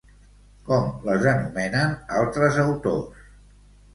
Com les anomenen altres autors?